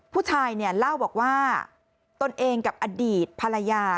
ผู้ชายเนี่ยเล่าบอกว่าตนเองกับอดีตภรรยา